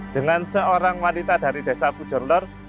dengan seorang wanita dari desa bujorlor